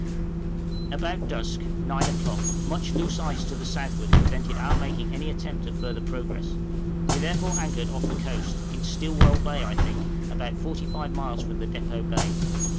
} About dusk (nine o'clock) much loose ice to the southward prevented our making any attempt at further progress; we therefore anchored off the coast in Stillwell Bay, I think about 45 miles from the Depôt Bay.